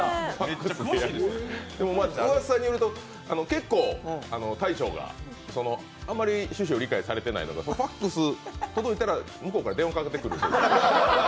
うわさによると結構、大将があんまり趣旨を理解していないのかＦＡＸ届いたら、向こうから電話がかかってくる。